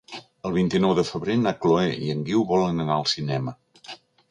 El vint-i-nou de febrer na Chloé i en Guiu volen anar al cinema.